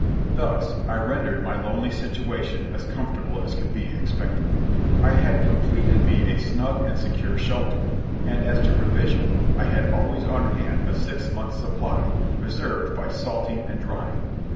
Thus, I rendered my lonely situation as comfortable as could be expected. I had completed me a snug and secure shelter; and, as to provision, I had always on hand a six months' supply, preserved by salting and drying.